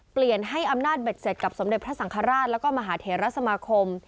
เปลี่ยนให้อำนาจเบ็ดเสร็จกับสมเด็จพระสังฆราชแล้วก็มหาเถระสมาคม